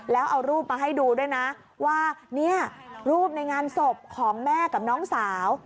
แล้วเอารูปมาให้ดูด้วยนะว่าเนี่ยรูปในงานศพของแม่กับน้องสาว